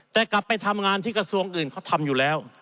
แต่กลับไปทำงานที่กระทรวงอื่นเขาทำอยู่แล้ว